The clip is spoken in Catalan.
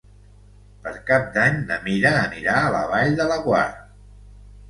Per Cap d'Any na Mira anirà a la Vall de Laguar.